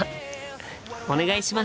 お願いします！